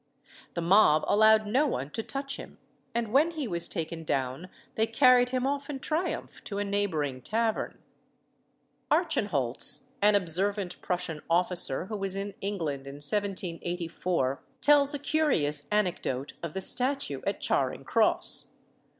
The mob allowed no one to touch him; and when he was taken down they carried him off in triumph to a neighbouring tavern. Archenholz, an observant Prussian officer who was in England in 1784, tells a curious anecdote of the statue at Charing Cross.